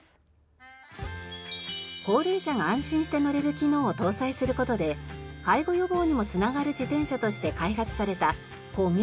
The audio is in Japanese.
高齢者が安心して乗れる機能を搭載する事で介護予防にも繋がる自転車として開発されたＣｏｇｅｌｕ。